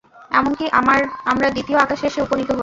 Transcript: এমনকি আমরা দ্বিতীয় আকাশে এসে উপনীত হই।